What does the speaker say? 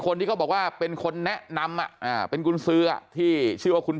คนที่ก็บอกว่าเป็นคนแนะนำเป็นคุณเสื้อที่ชื่อว่าคุณ